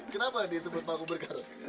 kenapa dia sebut paku berkarat